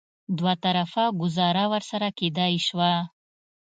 دوه طرفه ګوزاره ورسره کېدای شوه.